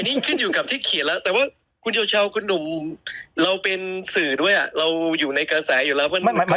อันนี้ขึ้นอยู่กันบริการบินแต่ว่าคุณโยชาพคุณหนุ่มเราเป็นสื่อด้วยเราอยู่ในกาแส